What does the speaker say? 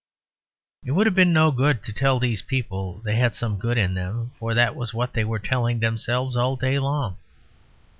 It would have been no good to tell these people they had some good in them for that was what they were telling themselves all day long.